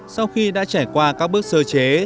sau khi đã trải qua các bước sơ chế